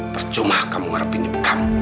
percuma kamu ngarepin ibu kamu